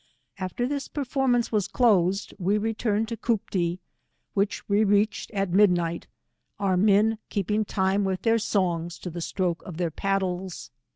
After this performance was closed, we returned to Cooptee, which we reached at midnight, our men M 126 keeping iitne with their songs to the stroke of their paddleF.